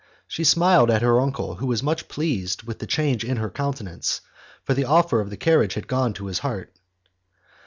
She smiled at her uncle who was much pleased with the change in her countenance, for the offer of the carriage had gone to his heart.